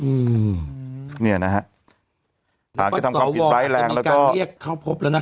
ชาวโรยมีการเรียกทั้งผมแล้วนะครับ